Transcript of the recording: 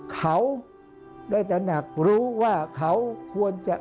เขาได้ตระหนักรู้ว่าเขาควรจะ